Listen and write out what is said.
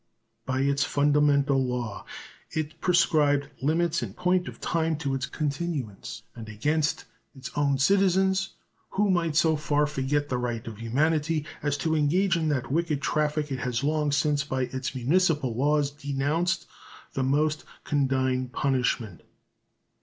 By its fundamental law it prescribed limits in point of time to its continuance, and against its own citizens who might so far forget the rights of humanity as to engage in that wicked traffic it has long since by its municipal laws denounced the most condign punishment.